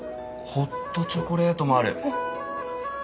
ホットチョコレートもある。